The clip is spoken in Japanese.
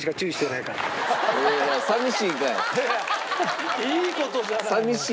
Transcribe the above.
いい事じゃない。